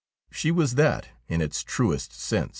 She was that in its truest sense.